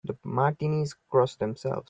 The Martinis cross themselves.